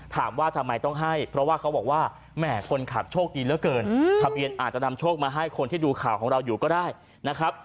ถามว่าทำไมต้องให้เพราะว่าเขาบอกว่าแหม่คนขับโชคดีเหลือเกินทะเบียนอาจจะนำโชคมาให้คนที่ดูข่าวของเราอยู่ก็ได้นะครับ